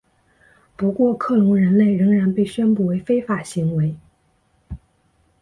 不过克隆人类仍然被宣布为非法行为。